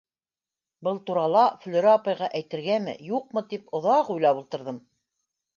Был турала Флүрә апайға әйтергәме-юҡмы тип оҙаҡ уйлап ултырҙым.